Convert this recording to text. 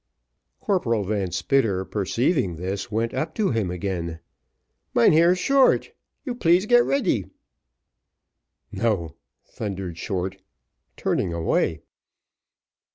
Corporal Van Spitter perceiving this, went up to him again. "Mynheer Short, you please get ready." "No!" thundered Short, turning away.